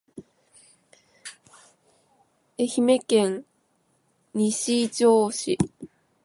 愛媛県西条市